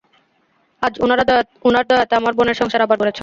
আজ উনার দয়া তে আমার বোনের সংসার আবার গড়েছে।